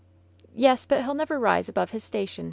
"Yes, but he'll never rise above his station.